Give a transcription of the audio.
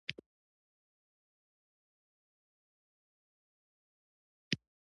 يو مذهب ، دويم کلتور او دريم سائنس -